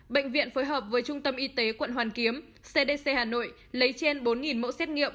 bệnh viện phối hợp với trung tâm y tế quận hoàn kiếm cdc hà nội lấy trên bốn mẫu xét nghiệm